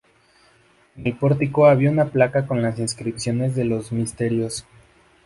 En el pórtico había una placa con las inscripciones de los misterios.